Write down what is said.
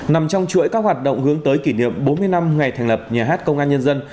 nằm trong chuỗi các hoạt động hướng tới kỷ niệm bốn mươi năm ngày thành lập nhà hát công an nhân dân